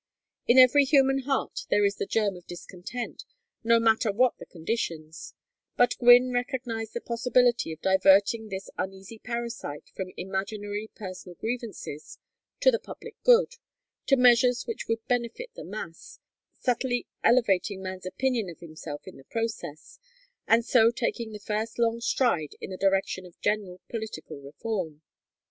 In every human heart there is the germ of discontent, no matter what the conditions, but Gwynne recognized the possibility of diverting this uneasy parasite from imaginary personal grievances to the public good, to measures which would benefit the mass, subtly elevating man's opinion of himself in the process, and so taking the first long stride in the direction of general political reform.